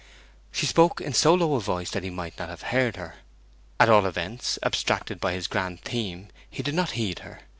She spoke in so low a voice that he might not have heard her. At all events, abstracted by his grand theme, he did not heed her.